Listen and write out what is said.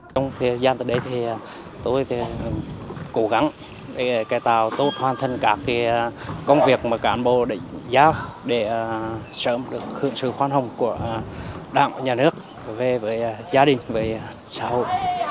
trong thời gian tới đây tôi cố gắng để cải tạo tôi hoàn thành các công việc mà cán bộ giáo để sớm được sự khoan hồng của đảng và nhà nước về với gia đình về xã hội